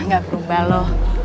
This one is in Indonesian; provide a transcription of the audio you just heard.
gak berubah lo